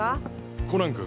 コナン君